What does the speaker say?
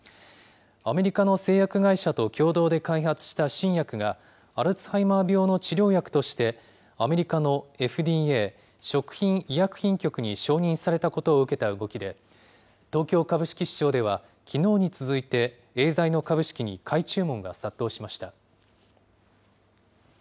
アメリカの製薬会社と共同で開発した新薬が、アルツハイマー病の治療薬として、アメリカのＦＤＡ・食品医薬品局に承認されたことを受けた動きで、東京株式市場では、きのうに続いてエーザイの株式に買い注文が殺到しました。